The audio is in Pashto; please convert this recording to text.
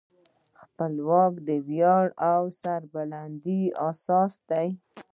خپلواکي د ویاړ او سربلندۍ اساس دی.